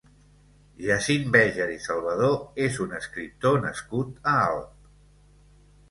Jacint Béjar i Salvadó és un escriptor nascut a Alp.